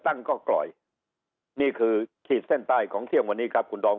ตั้งก็ปล่อยนี่คือขีดเส้นใต้ของเที่ยงวันนี้ครับคุณดอม